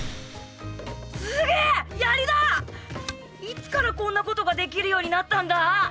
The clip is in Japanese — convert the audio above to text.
いつからこんなことができるようになったんだ